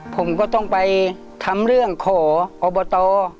ผมก็ต้องไปทำเรื่องขออบต